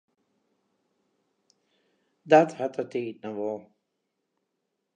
Dat hat de tiid noch wol.